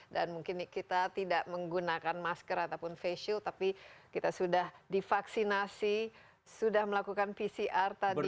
dan mungkin kita tidak menggunakan masker ataupun facial tapi kita sudah divaksinasi sudah melakukan pcr tadi